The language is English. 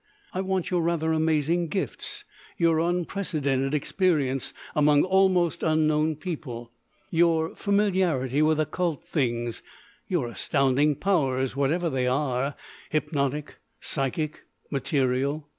I want your rather amazing gifts, your unprecedented experience among almost unknown people, your familiarity with occult things, your astounding powers—whatever they are—hypnotic, psychic, material.